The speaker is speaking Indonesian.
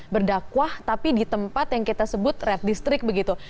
berdakwah tapi di tempat yang kita sebut red district begitu